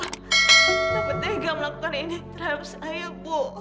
kenapa tega melakukan ini terhadap saya bu